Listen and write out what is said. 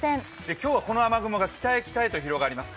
今日はこの雨雲が北へ北へと広がります。